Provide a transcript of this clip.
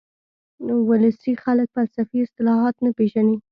ولسي خلک فلسفي اصطلاحات نه پېژني